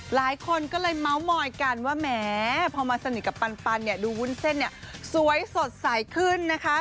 หลายคนก็เลยเมาส์มอยกันว่าแหมพอมาสนิทกับปันเนี่ยดูวุ้นเส้นเนี่ยสวยสดใสขึ้นนะคะ